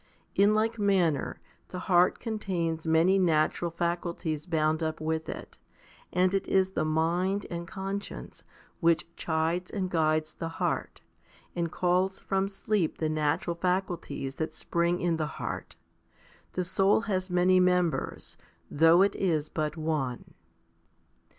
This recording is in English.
In like manner the heart contains many natural 1 Rom. ii. 15. HOMILY XV 123 faculties bound up with it, and it is the mind and conscience which chides and guides the heart, and calls from sleep the natural faculties that spring in the heart. The soul has many members, though it is but one.